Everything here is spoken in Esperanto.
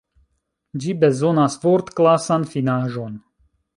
Ĝi bezonas vortklasan finaĵon.